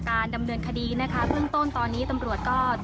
การดำเนินคดีนะคะเบื้องต้นตอนนี้ตำรวจก็